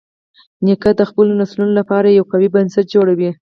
نیکه د خپلو نسلونو لپاره یو قوي بنسټ جوړوي.